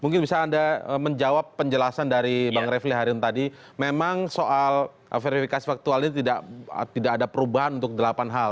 mungkin bisa anda menjawab penjelasan dari bang refli harin tadi memang soal verifikasi faktual ini tidak ada perubahan untuk delapan hal